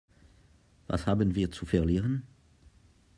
Was haben wir zu verlieren?